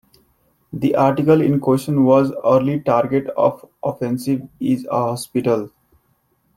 The article in question was "Early Target of Offensive Is a Hospital".